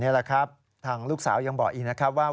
นี่แหละครับทางลูกสาวยังบอกอีกนะครับว่า